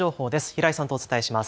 平井さんとお伝えします。